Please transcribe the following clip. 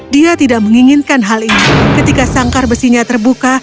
dia tidak menginginkan hal ini ketika sangkar besinya terbuka